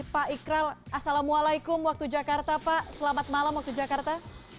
pak ikral assalamualaikum waktu jakarta pak selamat malam waktu jakarta